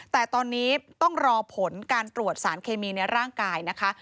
แต่ตอนนี้ต้องรอผลการตรวจสารเคมีในร่างกายนะคะ